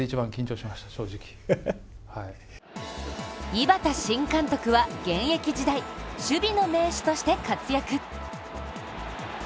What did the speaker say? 井端新監督は、現役時代守備の名手として活躍。